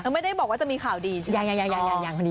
ไม่ได้บอกว่าจะมีข่าวดีนะ